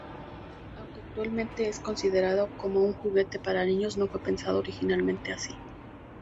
Aunque actualmente es considerado como un juguete para niños, no fue pensado originalmente así.